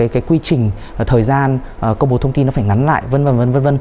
cái quy trình thời gian công bố thông tin nó phải ngắn lại v v